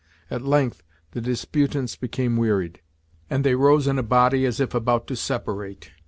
At length the disputants became wearied, and they rose in a body as if about to separate.